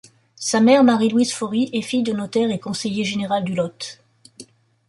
Sa mère Marie-Louis Faurie est fille de notaire et conseiller général du Lot.